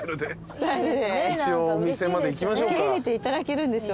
受け入れていただけるんでしょうか？